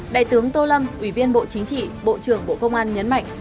đại tướng tô lâm ủy viên bộ chính trị bộ trưởng bộ công an nhấn mạnh